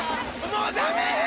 もうダメ！